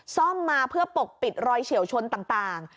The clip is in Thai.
ซ่อมมาเพื่อปกปิดรอยเฉียวชนต่าง